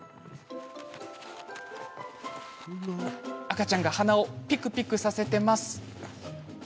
赤ちゃんが鼻をぴくぴくさせています。